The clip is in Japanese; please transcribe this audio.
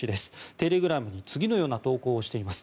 テレグラムに次のような投稿をしています。